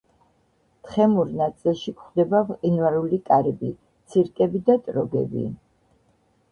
თხემურ ნაწილში გვხვდება მყინვარული კარები, ცირკები და ტროგები.